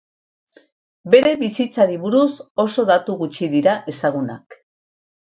Bere bizitzari buruz oso datu gutxi dira ezagunak.